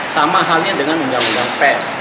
sama halnya dengan undang undang pers